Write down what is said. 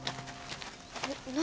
何？